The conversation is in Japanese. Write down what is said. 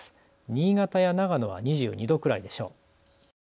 新潟や長野は２２度くらいでしょう。